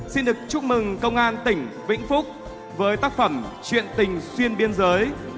xin được chúc mừng công an tỉnh vĩnh phúc với tác phẩm chuyện tình xuyên biên giới